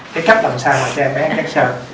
cái cách làm sao mà cho em bé ăn chắc sơ